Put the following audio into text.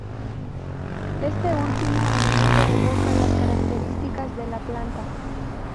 Este último a menudo evoca las características de la planta.